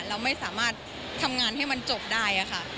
เราไม่สามารถทำงานให้มันจบได้ค่ะ